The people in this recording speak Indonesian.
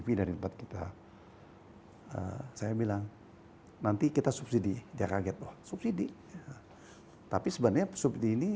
biar kita hai saya bilang nanti kita subsidi jaga getul subsidi tapi sebenarnya supini